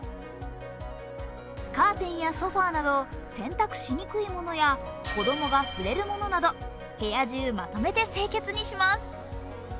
カーテンやソファーなど洗濯しにくいものや子供が触れるものなど、部屋中、まとめて清潔にします。